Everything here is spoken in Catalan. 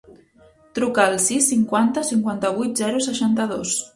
Truca al sis, cinquanta, cinquanta-vuit, zero, seixanta-dos.